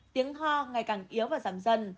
tiếng ho ngày càng yếu và giảm dần